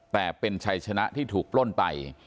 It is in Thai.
แต่เป็นชัยชนะที่ถูกปล้นไป